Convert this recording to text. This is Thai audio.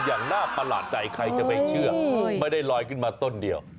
อย่างน่าประหลาดใจใครจะไปเชื่อไม่ได้ลอยขึ้นมาต้นเดียว